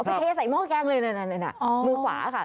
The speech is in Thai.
เทใส่หม้อแกงเลยนั่นมือขวาค่ะ